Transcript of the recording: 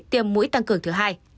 tiêm mũi tăng cường thứ hai